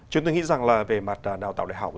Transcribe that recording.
chúng tôi nghĩ rằng là về mặt đào tạo đại học